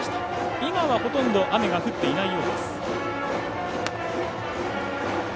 今はほとんど雨が降っていないようです。